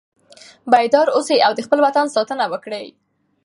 بیدار اوسئ او د خپل وطن ساتنه وکړئ.